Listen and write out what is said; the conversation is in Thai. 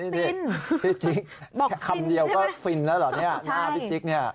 พี่ติ๊กคำเดียวก็ฟินแล้วหรือหน้านี่พี่ติ๊กเนี่ย